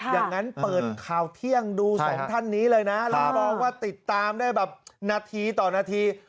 อย่างนั้นเปิดข่าวเที่ยงดูสองท่านนี้เลยนะแล้วมองว่าติดตามได้แบบนาทีต่อนาที